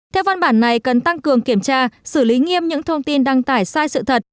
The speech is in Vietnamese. theo văn bản này cần tăng cường kiểm tra xử lý nghiêm những thông tin đăng tải sai sự thật